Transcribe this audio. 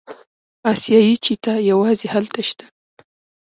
اسیایي چیتا یوازې هلته شته.